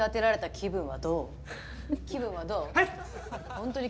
気分は、どう？